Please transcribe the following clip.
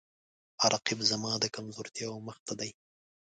رقیب زما د کمزورتیاو مخ ته دی